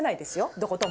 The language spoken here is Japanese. どことも。